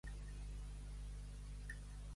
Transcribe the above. Ser un bacorer.